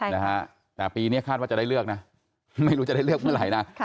นะฮะแต่ปีนี้คาดว่าจะได้เลือกนะไม่รู้จะได้เลือกเมื่อไหร่นะ